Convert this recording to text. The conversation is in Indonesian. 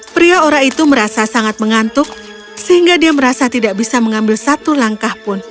pria ora itu merasa sangat mengantuk sehingga dia merasa tidak bisa mengambil satu langkah pun